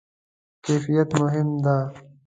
کیفیت مهم ده؟